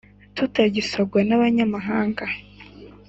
tutagisongwa n’abanyamahanga